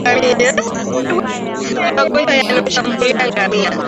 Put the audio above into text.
Magonjwa yanayoshambulia ngamia